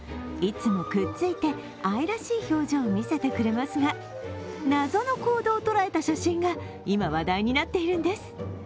いつもくっついて愛らしい表情を見せてくれますが謎の行動を捉えた写真が今、話題になっているんです。